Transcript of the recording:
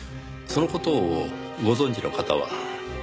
その事をご存じの方は？